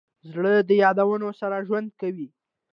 زړه د یادونو سره ژوند کوي.